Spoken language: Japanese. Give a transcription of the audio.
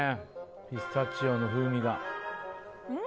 ピスタチオの風味が。